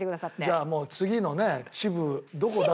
じゃあもう次のね恥部どこ出す？